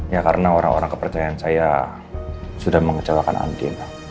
ya karena orang orang kepercayaan saya sudah mengecewakan anti